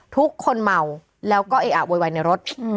ทุกคนเมาแล้วก็เออะโวยวายในรถ